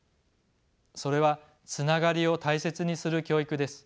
それはつながりを大切にする教育です。